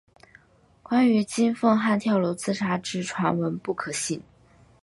关于金凤汉跳楼自杀之传闻不可信。